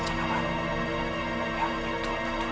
dalam waktu dua hari ini dia akan mati